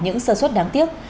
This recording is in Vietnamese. những sơ suất đáng tiếc